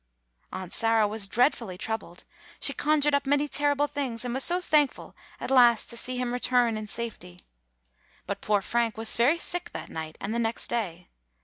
Aunt Sarah was dreadfully troubled. She conjured up many terrible things, and was so thankful at last to see him return in safety. But poor Frank was very sick that night and the next day.